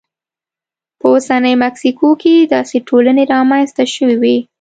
په اوسنۍ مکسیکو کې داسې ټولنې رامنځته شوې وې.